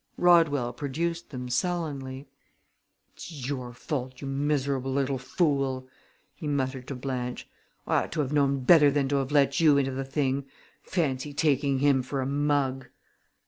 Rodwell produced them sullenly. "It's your fault, you miserable little fool!" he muttered to Blanche. "I ought to have known better than to have let you into the thing. Fancy taking him for a mug!"